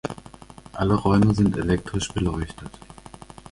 Alle Räume sind elektrisch beleuchtet.